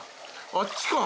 あっちか。